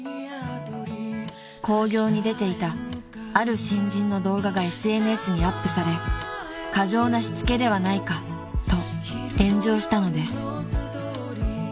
［興行に出ていたある新人の動画がＳＮＳにアップされ「過剰なしつけではないか？」と炎上したのです］